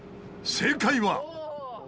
正解は？